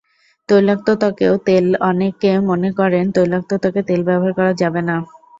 তৈলাক্ত ত্বকেও তেলঅনেকে মনে করেন তৈলাক্ত ত্বকে তেল ব্যবহার করা যাবে না।